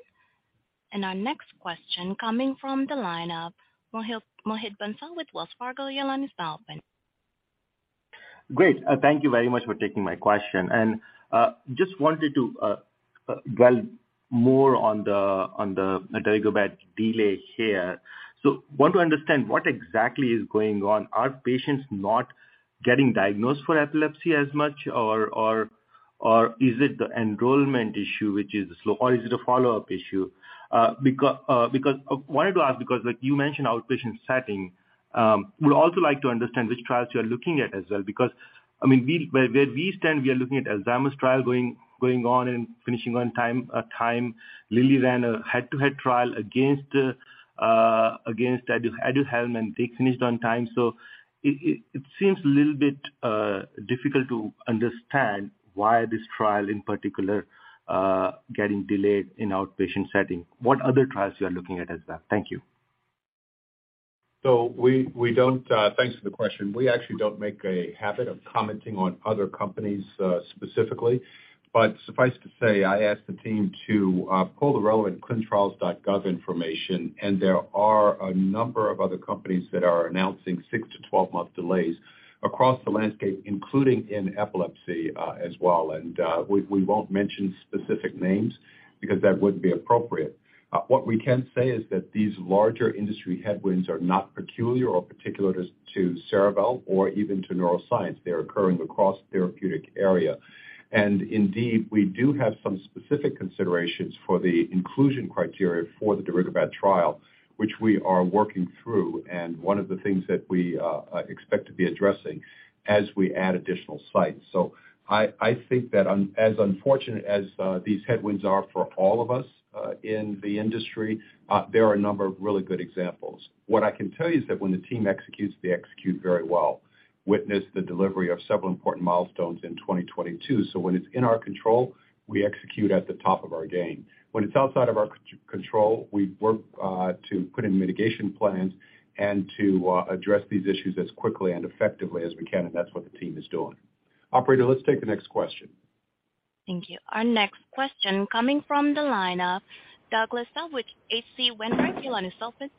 Our next question comes from the line of Mohit Bansal with Wells Fargo. Your line is now open. Great. Thank you very much for taking my question. Just wanted to dwell more on the darigabat delay here. Want to understand what exactly is going on. Are patients not getting diagnosed for epilepsy as much? Is it the enrollment issue which is slow, or is it a follow-up issue? Because I wanted to ask because like you mentioned outpatient setting, would also like to understand which trials you are looking at as well. I mean, where we stand, we are looking at Alzheimer's trial going on and finishing on time. Lilly ran a head-to-head trial against Aduhelm, and they finished on time. It seems a little bit difficult to understand why this trial in particular getting delayed in outpatient setting. What other trials you are looking at as well? Thank you. We don't. Thanks for the question. We actually don't make a habit of commenting on other companies specifically. Suffice to say, I asked the team to pull the relevant ClinicalTrials.gov information, and there are a number of other companies that are announcing 6-12-month delays across the landscape, including in epilepsy as well. We won't mention specific names because that wouldn't be appropriate. What we can say is that these larger industry headwinds are not peculiar or particular to Cerevel or even to neuroscience. They're occurring across therapeutic area. Indeed, we do have some specific considerations for the inclusion criteria for the darigabat trial, which we are working through and one of the things that we expect to be addressing as we add additional sites. I think that as unfortunate as these headwinds are for all of us in the industry, there are a number of really good examples. What I can tell you is that when the team executes, they execute very well. Witness the delivery of several important milestones in 2022. When it's in our control, we execute at the top of our game. When it's outside of our control, we work to put in mitigation plans and to address these issues as quickly and effectively as we can, and that's what the team is doing. Operator, let's take the next question. Our next question comes from the line of Douglas Tsao with H.C. Wainwright. Your line is open.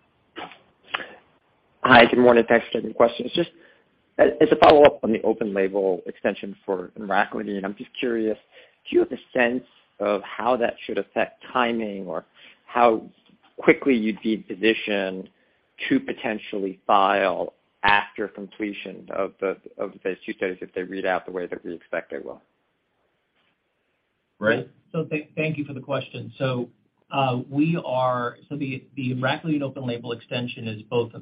Hi, good morning. Thanks for taking the question. It's a follow-up on the open-label extension for emraclidine. I'm just curious if you have a sense of how that should affect timing or how quickly you'd be positioned to potentially file after completion of the two studies if they read out the way that we expect they will? Ray? Thank you for the question. The emraclidine open label extension is both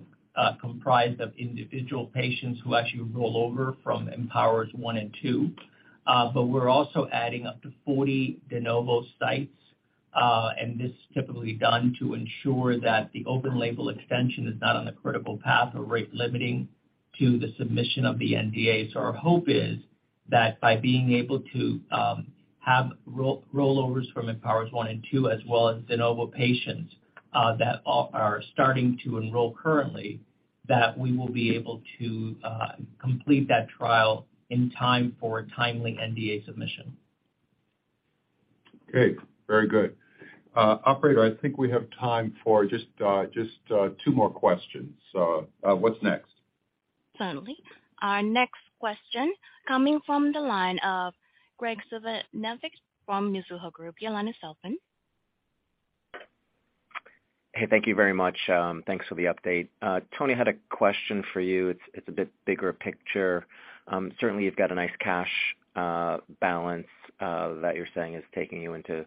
comprised of individual patients who actually roll over from EMPOWER-1 and EMPOWER-2, but we're also adding up to 40 de novo sites, and this is typically done to ensure that the open label extension is not on the critical path or rate limiting to the submission of the NDA. Our hope is that by being able to have roll overs from EMPOWER-1 and EMPOWER-2, as well as de novo patients that are starting to enroll currently, that we will be able to complete that trial in time for a timely NDA submission. Our next question comes from the line of Graig Suvannavejh with Mizuho Securities. Your line is open. Hey, thank you very much. Thanks for the update. Tony, I had a question for you. It's a bit bigger picture. Certainly you've got a nice cash balance that you're saying is taking you into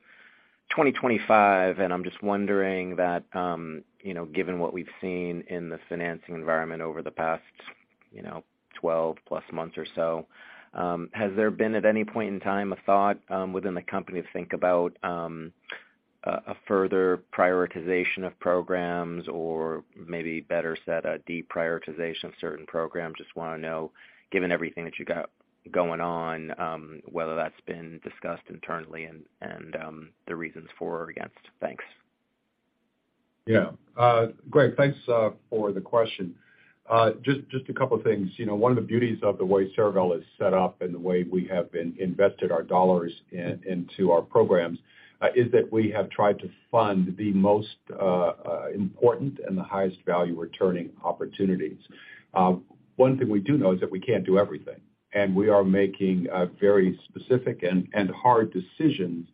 2025. I'm just wondering, given what we've seen in the financing environment over the past, you know, 12 plus months or so, has there been at any point in time a thought within the company to think about a further prioritization of programs or maybe better set a deprioritization of certain programs? Just wanna know, given everything that you got going on, whether that's been discussed internally and the reasons for or against. Thanks. Yeah. Greg, thanks for the question. Just a couple of things. One of the beauties of the way Cerevel is set up and the way we have invested our dollars into our programs, is that we have tried to fund the most important and the highest value returning opportunities. One thing we do know is that we can't do everything, and we are making very specific and hard decisions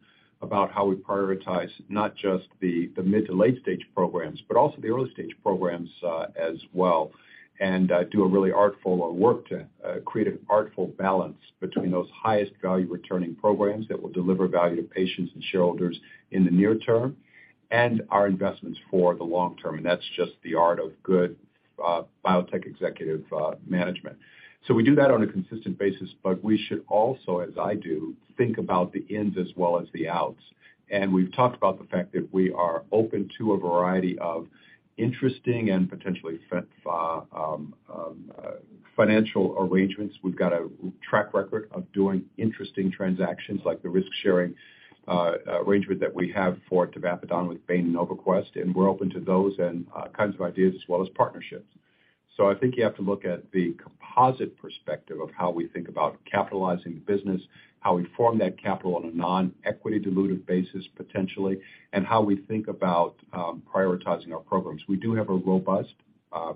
about how we prioritize not just the mid to late stage programs, but also the early stage programs as well. We do really artful work to create a balance between those highest value returning programs that will deliver value to patients and shareholders in the near term and our investments for the long term. That's just the art of good biotech executive management. We do that on a consistent basis, but we should also, as I do, think about the ins as well as the outs. We've talked about the fact that we are open to a variety of interesting and potentially financial arrangements. We've got a track record of doing interesting transactions like the risk sharing arrangement that we have for tavapadon with Bain and NovaQuest, and we're open to those and kinds of ideas as well as partnerships. I think you have to look at the composite perspective of how we think about capitalizing the business, how we form that capital on a non-equity dilutive basis, potentially, and how we think about prioritizing our programs. We do have a robust,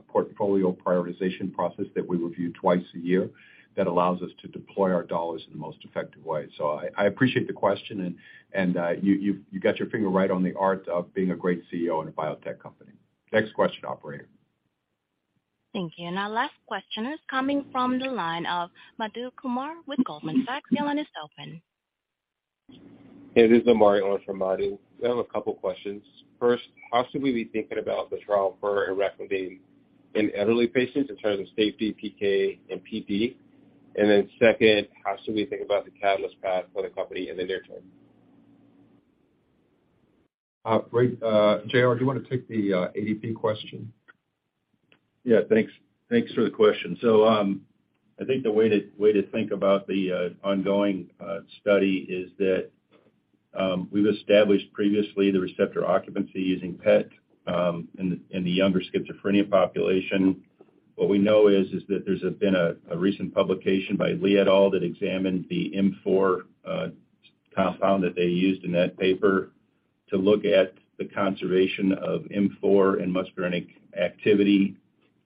portfolio prioritization process that we review twice a year that allows us to deploy our dollars in the most effective way. I appreciate the question, and you've got your finger right on the art of being a great CEO in a biotech company. Next question, operator. Our last question is coming from the line of Madhu Kumar with Goldman Sachs. Your line is open. This is Madhu Kumar from Goldman Sachs.I have a couple questions. First, how should we be thinking about the trial for emraclidine in elderly patients in terms of safety, PK, and PD? Second, how should we think about the catalyst path for the company in the near term? Great. J.R., do you want to take the AD question? Yeah, thanks. Thanks for the question. I think the way to think about the ongoing study is that we've established previously the receptor occupancy using PET in the younger schizophrenia population. What we know is that there's been a recent publication by Lee et al that examined the M4 compound that they used in that paper to look at the conservation of M4 muscarinic activity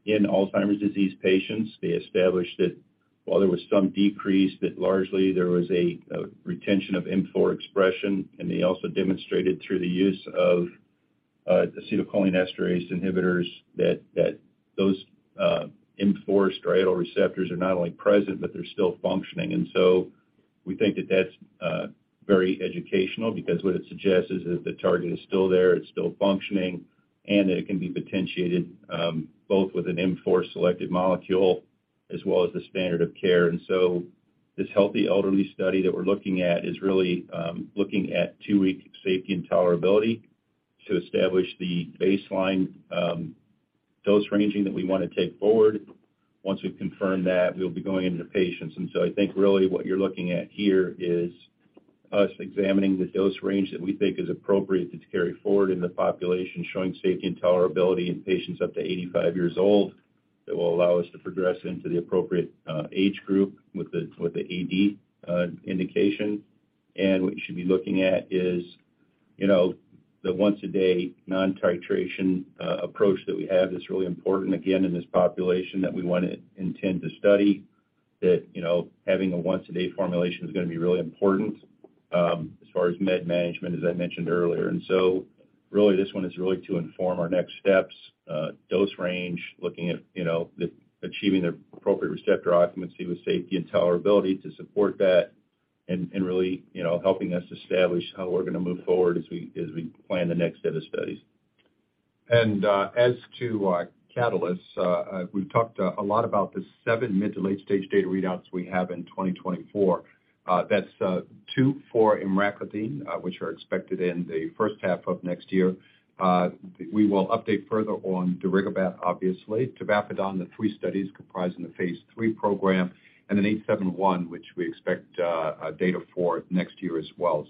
in Alzheimer's disease patients. They established that while there was some decrease, that largely there was a retention of M4 expression. They also demonstrated through the use of acetylcholinesterase inhibitors that those M4 striatal receptors are not only present, but they're still functioning. We think that that's very educational because what it suggests is that the target is still there, it's still functioning, and that it can be potentiated both with an M4 selective molecule as well as the standard of care. This healthy elderly study that we're looking at is really looking at 2-week safety and tolerability to establish the baseline dose ranging that we wanna take forward. Once we've confirmed that, we'll be going into patients. I think really what you're looking at here is us examining the dose range that we think is appropriate to carry forward in the population, showing safety and tolerability in patients up to 85 years old that will allow us to progress into the appropriate age group with the AD indication. What you should be looking at is, you know, the once a day non-titration approach that we have is really important, again, in this population that we wanna intend to study, that, you know, having a once a day formulation is gonna be really important, as far as med management, as I mentioned earlier. Really this one is really to inform our next steps, dose range, looking at, you know, the achieving the appropriate receptor occupancy with safety and tolerability to support that and really, you know, helping us establish how we're gonna move forward as we plan the next set of studies. As to catalysts, we've talked a lot about the seven mid to late-stage data readouts we have in 2024. That's two for emraclidine, which are expected in the first half of next year. We will update further on darigabat obviously. tavapadon, the three studies comprising the Phase 3 program, and then 871, which we expect data for next year as well.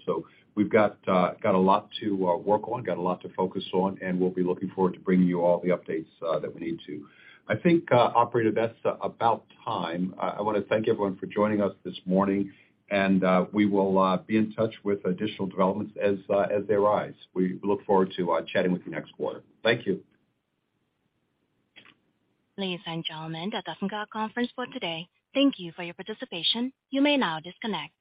We've got a lot to work on, got a lot to focus on, and we'll be looking forward to bringing you all the updates that we need to.I think, Operator, that's about all the time we have. I wanna thank everyone for joining us this morning, and we will be in touch with additional developments as they arise. We look forward to, chatting with you next quarter. Thank you. Ladies and gentlemen, that does end our conference for today. Thank you for your participation. You may now disconnect.